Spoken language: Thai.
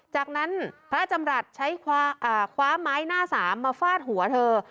จากนั้นพระจำรัฐใช้คว้าไม้หน้าสามมาฟาดหัวเธอ